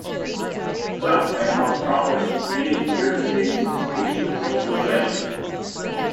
Cleft may cause problems with feeding, ear disease, speech and socialization.